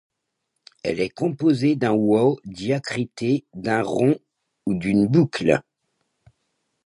Elle est composée d’un wāw diacrité d’un rond ou d’une boucle.